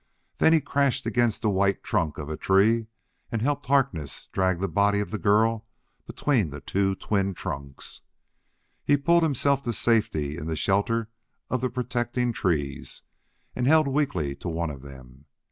Then he crashed against the white trunk of a tree and helped Harkness drag the body of the girl between two twin trunks. He pulled himself to safety in the shelter of the protecting trees, and held weakly to one of them....